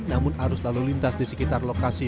namun arus lalu lintas di sekitar lokasi